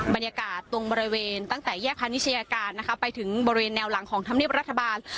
บรรยากาศตรงบริเวณตั้งแต่แยกพาณิชยาการนะคะไปถึงบริเวณแนวหลังของธรรมเนียบรัฐบาล